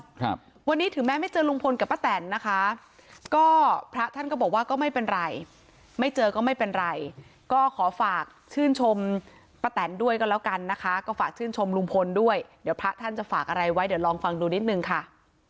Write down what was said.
ครับวันนี้ถึงแม้ไม่เจอลุงพลกับป้าแตนนะคะก็พระท่านก็บอกว่าก็ไม่เป็นไรไม่เจอก็ไม่เป็นไรก็ขอฝากชื่นชมป้าแตนด้วยกันแล้วกันนะคะก็ฝากชื่นชมลุงพลด้วยเดี๋ยวพระท่านจะฝากอะไรไว้เดี๋ยวลองฟังดูนิดนึงค่ะ